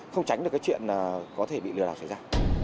không tránh được cái chuyện là có thể bị lừa đảo xảy ra